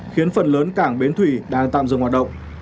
khiến phần lớn cảng bến thủy đang tạm dừng hoạt động